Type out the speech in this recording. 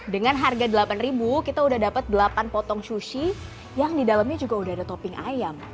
dengan harga delapan ribu kita sudah dapat delapan potong sushi yang didalamnya juga sudah ada topping ayam